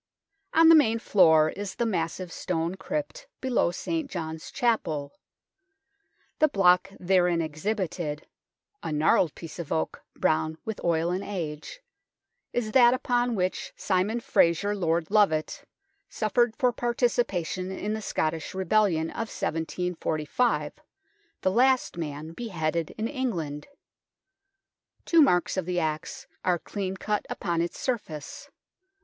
On the main floor is the massive stone crypt below St. John's Chapel. The block therein exhibited, a gnarled piece of oak brown with oil and age, is that upon which Simon Fraser Lord Lovat suffered for par ticipation in the Scottish rebellion of 1745 the last man beheaded in England. Two marks of the axe are clean cut upon its surface.